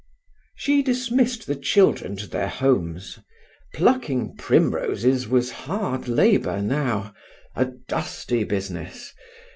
She dismissed the children to their homes. Plucking primroses was hard labour now a dusty business.